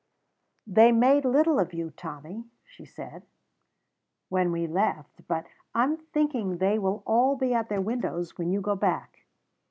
"They made little of you, Tommy," she said, "when we left; but I'm thinking they will all be at their windows when you go back."